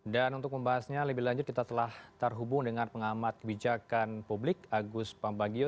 dan untuk membahasnya lebih lanjut kita telah terhubung dengan pengamat kebijakan publik agus pambagio